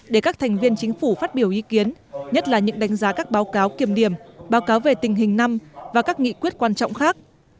để các thành viên chính phủ phát biểu ý kiến nhất là những đánh giá các báo cáo kiểm điểm báo cáo về tình hình năm và các nghị quyết quan trọng khác